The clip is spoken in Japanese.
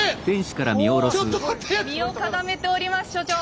身をかがめております所長。